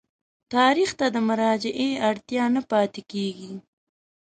تاریخ ته د مراجعې اړتیا نه پاتېږي.